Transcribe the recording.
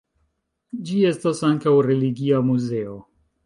Ĝi estas ankaŭ religia muzeo.